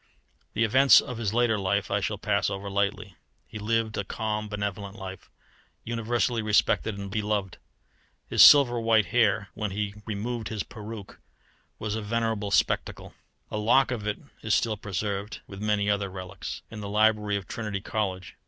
The events of his later life I shall pass over lightly. He lived a calm, benevolent life, universally respected and beloved. His silver white hair when he removed his peruke was a venerable spectacle. A lock of it is still preserved, with many other relics, in the library of Trinity College.